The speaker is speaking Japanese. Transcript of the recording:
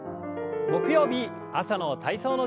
木曜日朝の体操の時間です。